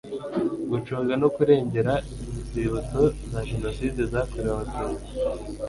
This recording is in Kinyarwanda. gucunga no kurengera inzibutso za jenoside yakorewe abatutsi